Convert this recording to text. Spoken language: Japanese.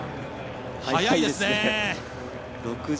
速いですね。